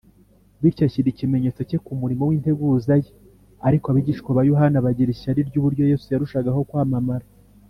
. Bityo ashyira ikimenyetso cye ku murimo w’integuza ye. Ariko abigishwa ba Yohana bagira ishyari ry’uburyo Yesu yarushagaho kwamamara